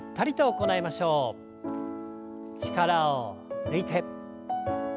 力を抜いて。